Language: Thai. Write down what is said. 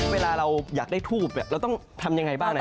เวลาเราอยากได้ทูบเราต้องทำยังไงบ้าง